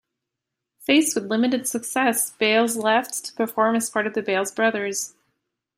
Faced with limited success, Bailes left to perform as part of The Bailes Brothers.